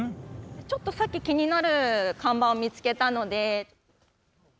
ちょっとさっき気になる看板を見つけたので。